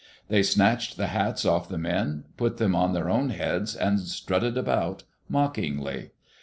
They snatched the hats off the men, put them on their own heads, and strutted about mockingly.